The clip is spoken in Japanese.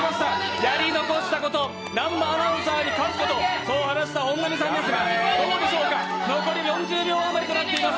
やり残したこと、南波アナウンサーンに勝つことそう話した本並さんですがどうでしょうか、残り４０秒あまりとなっています。